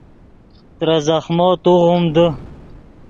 ترے زخمو توغیم دے